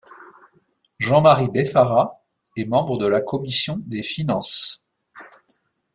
Jean-Marie Beffara est membre de la commission des finances.